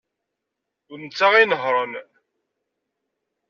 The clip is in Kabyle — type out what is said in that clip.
D netta ay inehhṛen.